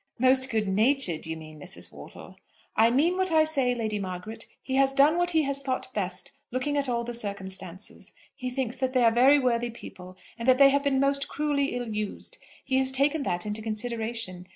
"Most good natured, you mean, Mrs. Wortle." "I mean what I say, Lady Margaret. He has done what he has thought best, looking at all the circumstances. He thinks that they are very worthy people, and that they have been most cruelly ill used. He has taken that into consideration.